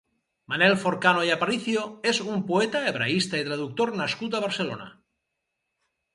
Manel Forcano i Aparicio és un poeta, hebraista i traductor nascut a Barcelona.